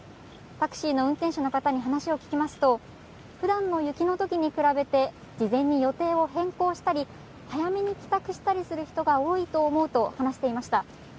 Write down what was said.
タクシーの運転手の方に話を聞きますと、ふだんの雪のときに比べて事前に予定を変更したり早めに帰宅したりする人が多いと思うと話していました。